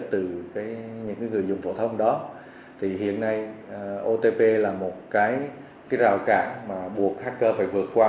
từ những người dùng phổ thông đó thì hiện nay otp là một cái rào cản mà buộc hacker phải vượt qua